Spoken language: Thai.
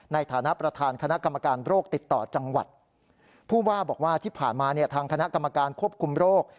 ในฐานะประธานคณะกรรมการโรคติดต่อจังหวัดผู้ว่าบอกว่าที่ผ่านมาเนี่ยทางคณะกรรมการควบคุมโรค